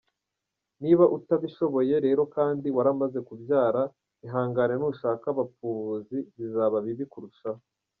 niba utabishoboye rero kandi waramaze kubyara ihangane nushaka abapfubuzi bizaba bibi kurushaho.